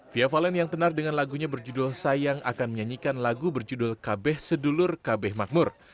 fia valen yang tenar dengan lagunya berjudul sayang akan menyanyikan lagu berjudul kabeh sedulur kabeh makmur